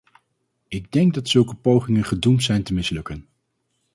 Ik denk dat zulke pogingen gedoemd zijn te mislukken.